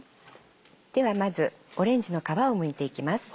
ではまずオレンジの皮をむいていきます。